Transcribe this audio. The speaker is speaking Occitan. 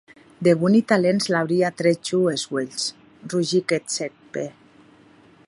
De boni talents l’auria trèt jo es uelhs, rugic eth cèc Pew.